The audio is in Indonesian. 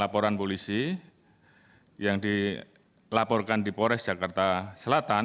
laporan polisi yang dilaporkan di pores jakarta selatan